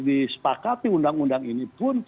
disepakati undang undang ini pun